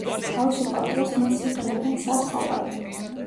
თავისუფალ დროს მას იყენებენ საწყობად.